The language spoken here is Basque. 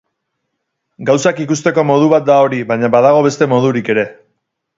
Gauzak ikusteko modu bat da hori, baina badago beste modurik ere.